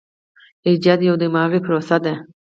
ایجاد یوه دماغي پروسه ده.